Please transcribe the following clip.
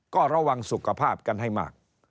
ก็ระวังสุขภาพกันให้มาก